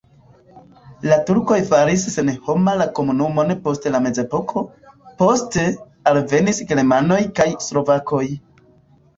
La turkoj faris senhoma la komunumon post la mezepoko, poste alvenis germanoj kaj slovakoj.